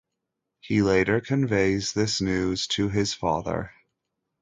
He later conveys this news to his father.